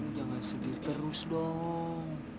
jangan sedih terus dong